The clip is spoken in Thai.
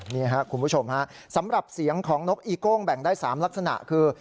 นี่ครับคุณผู้ชมฮะสำหรับเสียงของนกอีโก้งแบ่งได้๓ลักษณะคือ